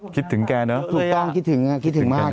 คิดถึงแกแหมถูกต้องคิดถึงมาก